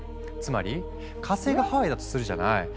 つまり火星がハワイだとするじゃない？